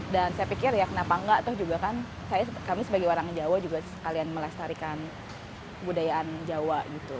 dan saya pikir ya kenapa enggak toh juga kan kami sebagai orang jawa juga sekalian melestarikan budayaan jawa